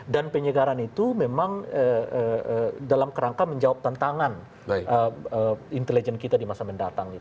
dan penyegaran itu memang dalam kerangka menjawab tantangan intelijen kita di masa mendatang